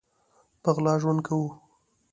په غلا ژوند کوو